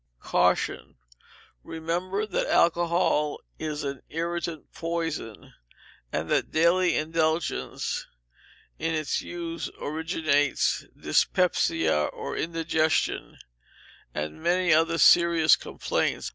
Caution. Remember that alcohol is an irritant poison, and that daily indulgence in its use originates dyspepsia, or indigestion, and many other serious complaints.